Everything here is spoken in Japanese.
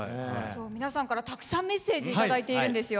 皆さんからたくさんメッセージ頂いているんですよ。